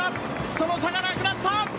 その差がなくなった。